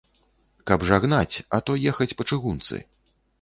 Каб жа гнаць, а то ехаць па чыгунцы.